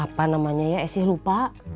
apa namanya ya saya lupa